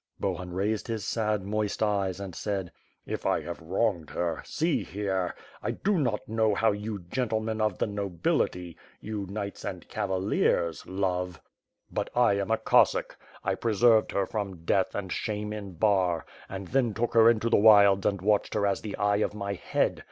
.. Bohun raised his sad, moist eyes and said: "If I have wronged her! See here! I do not know how you gentlemen of the nobility, you knights and cavaliers Jove; WITH FIRE AND SWORD, 551 but I am a Cossack. I preserved her from death and shame in Bar, and then took her into the wilds and watched her as the eye of my head.